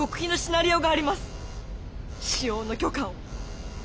使用の許可を。